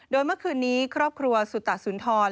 โดยเมื่อคืนนี้ครอบครัวสุตสุนทร